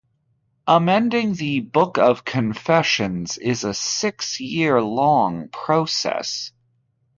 Amending the "Book of Confessions" is a six-year-long process.